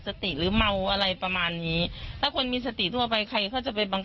สติหรือเมาอะไรประมาณนี้ถ้าคนมีสติทั่วไปใครเขาจะไปบังคับ